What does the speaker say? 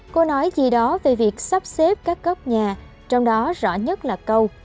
cô nói gì đó về việc sắp xếp các góc nhà trong đó rõ nhất là câu